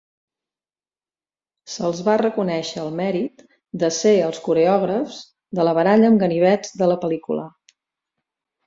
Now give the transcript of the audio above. Se'ls va reconèixer el mèrit de ser els coreògrafs de la baralla amb ganivets de la pel·lícula.